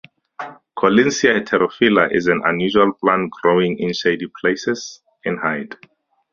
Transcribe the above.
"Collinsia heterophylla" is an annual plant growing in shady places, in height.